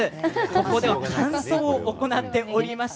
ここで、乾燥を行っています。